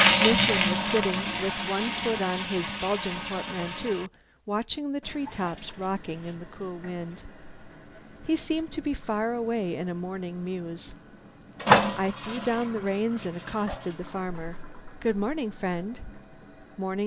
Mifflin was sitting with one foot on his bulging portmanteau, watching the tree tops rocking in the cool wind. He seemed to be far away in a morning muse. I threw down the reins and accosted the farmer. "Good morning, friend."